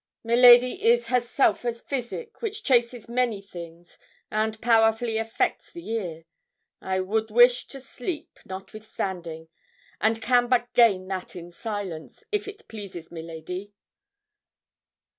'Mi ladi is herself a physic which chases many things, and powerfully affects the ear. I would wish to sleep, notwithstanding, and can but gain that in silence, if it pleases mi ladi.'